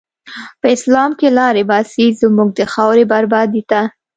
په اسلام کی لاری باسی، زموږ د خاوری بربادی ته